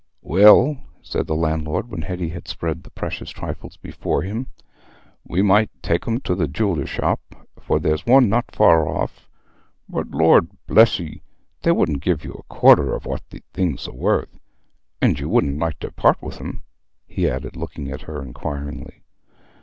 "Well," said the landlord, when Hetty had spread the precious trifles before him, "we might take 'em to the jeweller's shop, for there's one not far off; but Lord bless you, they wouldn't give you a quarter o' what the things are worth. And you wouldn't like to part with 'em?" he added, looking at her inquiringly.